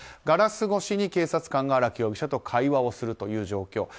ガラス越しに警察官が荒木容疑者と会話をするという状況。